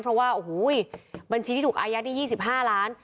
เพราะว่าบัญชีที่ถูกอายัดนี้๒๕ล้าน